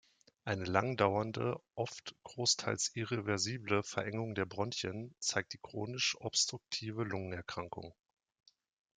Eine langdauernde, oft großteils irreversible Verengung der Bronchien zeigt die chronisch-obstruktive Lungenerkrankung.